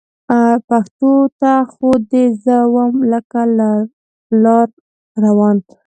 پښو ته خو دې زه وم لکه لار روان